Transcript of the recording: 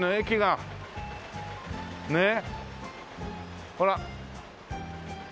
ねえほら！